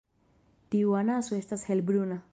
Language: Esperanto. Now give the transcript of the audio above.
Tiu anaso estas helbruna.